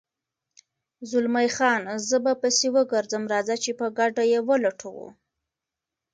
زلمی خان: زه به پسې وګرځم، راځه چې په ګډه یې ولټوو.